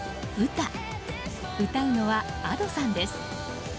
歌うのはＡｄｏさんです。